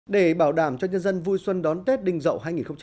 để bảo đảm cho nhân dân vui xuân đón tết đinh dậu hai nghìn một mươi bảy